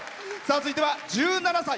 続いては１７歳。